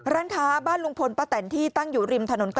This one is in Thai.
ร้านค้าบ้านลุงพลป้าแตนที่ตั้งอยู่ริมถนน๙